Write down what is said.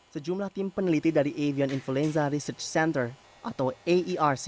sejumlah tim peneliti dari avion influenza research center atau arc